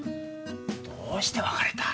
どうして別れた？